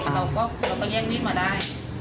เราก็แย่งมีดมาได้